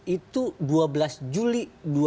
itu dua belas juli